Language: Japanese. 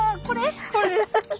これです。